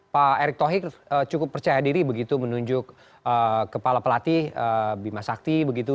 pak erick thohir cukup percaya diri begitu menunjuk kepala pelatih bima sakti begitu